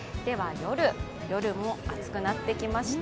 夜も暑くなってきました。